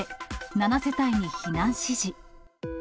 ７世帯に避難指示。